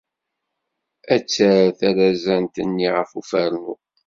Ad terr talazant-nni ɣer ufarnu.